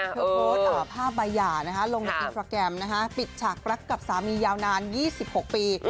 เธอโพสต์ภาพใบหย่าลงในอินสตราแกรมปิดฉากรักกับสามียาวนาน๒๖ปี